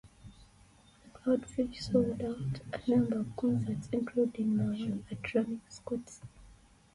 Cloudfish sold out a number of concerts including the one at Ronnie Scott's.